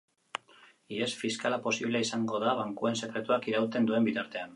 Ihes fiskala posiblea izango da bankuen sekretuak irauten duen bitartean.